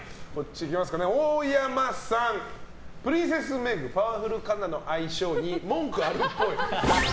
大山さん、プリンセス・メグパワフル・カナの愛称に文句あるっぽい。